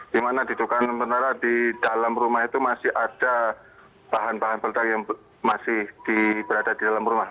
di mana diduga sementara di dalam rumah itu masih ada bahan bahan peletak yang masih berada di dalam rumah